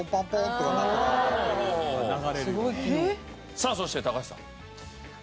さあそして高橋さん。